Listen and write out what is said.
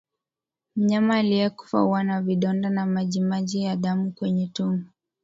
Mnyama aliyekufa huwa na vidonda na majimaji ya damu kwenye tumbo